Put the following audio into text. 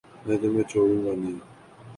میں تمہیں چھوڑوں گانہیں